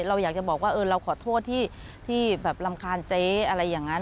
เราอยากจะบอกว่าเราขอโทษที่แบบรำคาญเจ๊อะไรอย่างนั้น